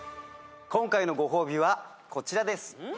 今回のご褒美はこちらです。